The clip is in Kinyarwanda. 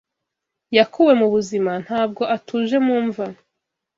Yakuwe mubuzima, ntabwo atuje mumva